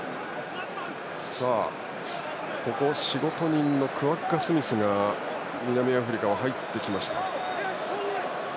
仕事人のクワッガ・スミスが南アフリカは入ってきました。